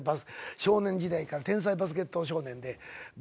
少年時代から天才バスケット少年で。